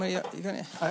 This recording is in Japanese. はい。